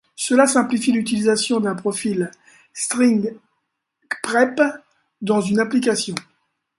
Cela simplifie l'utilisation d'un profil Stringprep dans une application.